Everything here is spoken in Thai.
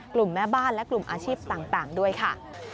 แม่บ้านและกลุ่มอาชีพต่างด้วยค่ะ